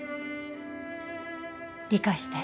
理解して。